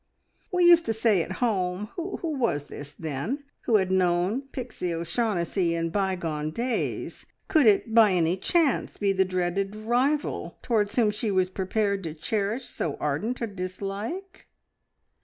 "We used to say at home." Who was this, then, who had known Pixie O'Shaughnessy in bygone days could it by any chance be the dreaded rival towards whom she was prepared to cherish so ardent a dislike?